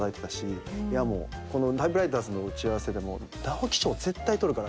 いやもうこの『タイプライターズ』の打ち合わせでも直木賞絶対取るから。